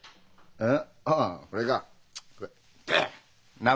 えっ？